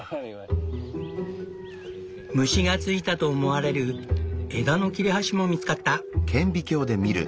虫がついたと思われる枝の切れ端も見つかった。